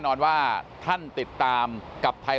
โปรดติดตามต่อไป